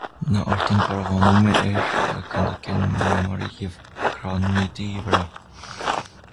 Նա արդեն կարողանում էր քանդակել մարմարի և գրանիտի վրա։